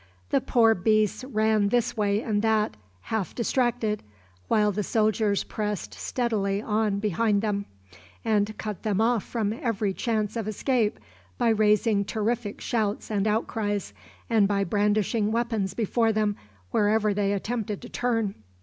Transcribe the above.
The poor beasts ran this way and that, half distracted, while the soldiers pressed steadily on behind them, and cut them off from every chance of escape by raising terrific shouts and outcries, and by brandishing weapons before them wherever they attempted to turn.